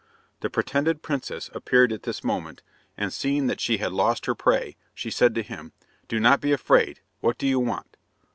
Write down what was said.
The pretended princess appeared at this moment, and seeing that she had lost her prey, she said to him, "Do not be afraid. What do you want?"